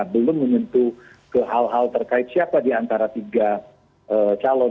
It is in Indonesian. belum menyentuh ke hal hal terkait siapa di antara tiga calon